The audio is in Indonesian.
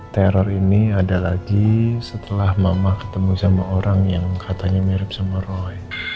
teror ini ada lagi setelah mama ketemu sama orang yang katanya mirip sama roy